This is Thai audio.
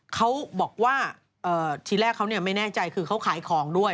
เขาบอกว่าทีแรกเขาไม่แน่ใจคือเขาขายของด้วย